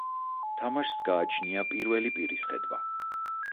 თამაშს გააჩნია პირველი პირის ხედვა.